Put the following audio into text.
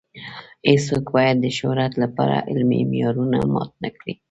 هیڅوک باید د شهرت لپاره علمي معیارونه مات نه کړي.